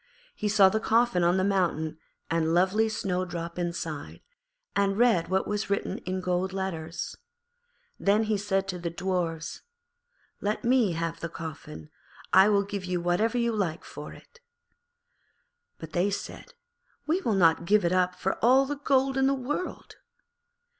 He saw the coffin on the mountain and lovely Snowdrop inside, and read what was written in golden letters. Then he said to the Dwarfs, 'Let me have the coffin; I will give you whatever you like for it.' But they said, 'We will not give it up for all the gold of the world.'